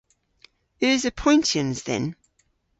Eus apoyntyans dhyn?